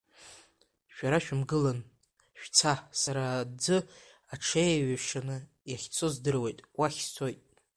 Шәара шәымгылан, шәца, сара аӡы аҽеиҩшаны иахьцо здыруеит, уахь сцоит.